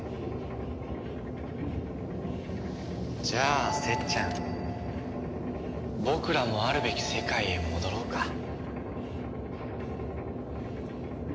じゃあセッちゃん僕らもあるべき世界へ戻ろうか。